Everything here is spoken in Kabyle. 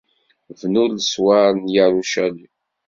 Bnu leṣwar n Yarucalim.